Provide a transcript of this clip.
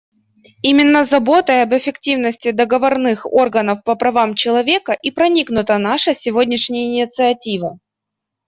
Именно заботой об эффективности договорных органов по правам человека и проникнута наша сегодняшняя инициатива.